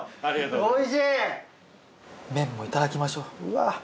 麺もいただきましょううわ。